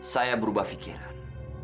saya berubah pikiran